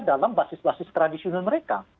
dalam basis basis tradisional mereka